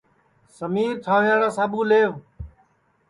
سمیر ٹھانٚوئیاڑا ساٻو لئو